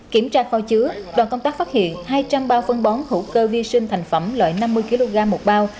kiểm tra kho chứa đoàn công tác phát hiện hai trăm linh bao phân bón hữu cơ vi sinh thành phẩm loại năm mươi kg một bao